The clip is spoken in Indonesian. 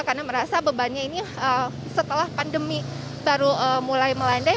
karena merasa bebannya ini setelah pandemi baru mulai melandai